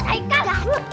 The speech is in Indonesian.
tuh tak ikal